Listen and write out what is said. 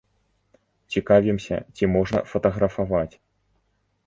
Цікавімся, ці можна фатаграфаваць?